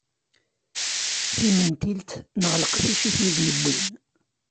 Timentilt neɣ leqdic i ten-id-yewwin.